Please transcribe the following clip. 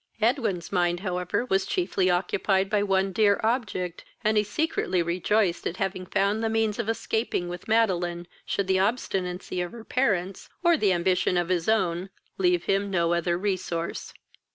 Edwin's mind, however, was chiefly occupied by one dear object, and he secretly rejoiced at having found the means of escaping with Madeline, should the obstinacy of her parents, or the ambition of his own, leave him no other resource.